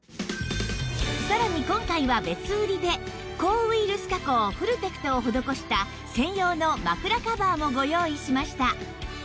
さらに今回は別売りで抗ウイルス加工フルテクトを施した専用の枕カバーもご用意しました